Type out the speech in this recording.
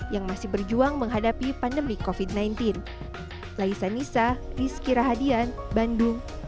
yang masih berjuang menghadapi pandemi covid sembilan belas